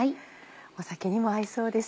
酒にも合いそうです。